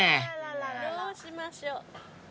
どうしましょう。